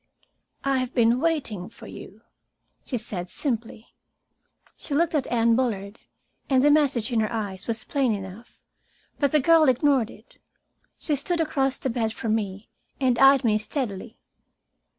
"I have been waiting for you," she said simply. She looked at Anne Bullard, and the message in her eyes was plain enough. But the girl ignored it. She stood across the bed from me and eyed me steadily.